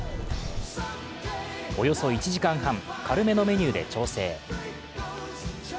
およそ１時間半軽めのメニューで調整。